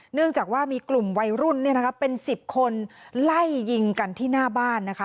เนื่องจากว่ามีกลุ่มวัยรุ่นเป็น๑๐คนไล่ยิงกันที่หน้าบ้านนะคะ